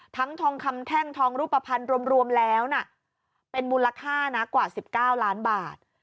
ทองคำแท่งทองรูปภัณฑ์รวมแล้วเป็นมูลค่านะกว่า๑๙ล้านบาท